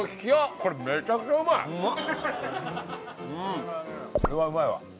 これはうまいわ。